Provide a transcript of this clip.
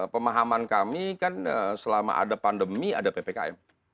pemahaman kami kan selama ada pandemi ada ppkm